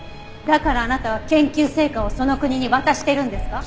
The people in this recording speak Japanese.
だからあなたは研究成果をその国に渡してるんですか？